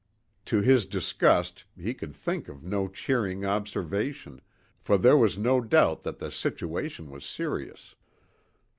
To his disgust, he could think of no cheering observation, for there was no doubt that the situation was serious.